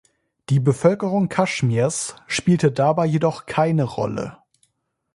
Die Bevölkerung Kaschmirs spielte dabei jedoch keine Rolle.